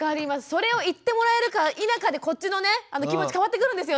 それを言ってもらえるか否かでこっちの気持ち変わってくるんですよね。